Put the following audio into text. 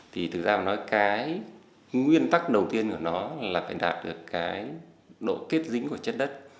thì thực ra nói cái nguyên tắc đầu tiên của nó là phải đạt được cái độ kết dính của chất đất